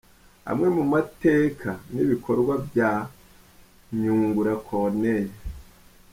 Amwe mu mateka n’ibikorwa bya Nyungura Corneille.